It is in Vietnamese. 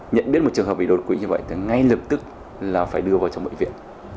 nhận biết một trường hợp bị đột quỵ như vậy thì ngay lập tức là phải đưa vào trong bệnh viện